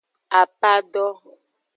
Apado.